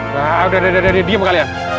nah udah udah udah diam kalian